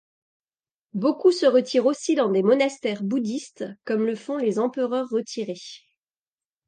Beaucoup se retirent aussi dans des monastères bouddhistes comme le font les empereurs retirés.